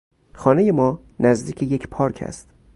خانهی ما نزدیک یک پارک است.